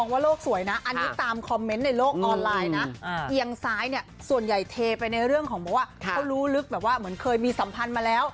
ว่าโลกสวยนะอันนี้ตามคอมเมนต์ในโลกออนไลน์นะเอียงซ้ายเนี่ยส่วนใหญ่เทไปในเรื่องของบอกว่าเขารู้ลึกแบบว่าเหมือนเคยมีสัมพันธ์มาแล้ว